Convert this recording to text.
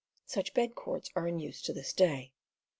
Such bed cords are in use to this day.